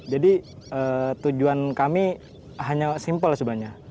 jadi tujuan kami hanya simple sebenarnya